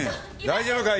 大丈夫か？